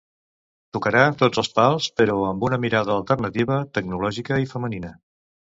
Tocarà tots els pals, però amb una mirada alternativa, tecnològica i femenina.